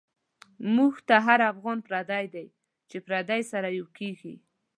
موږ ته هر افغان پردی، چی پردی سره یو کیږی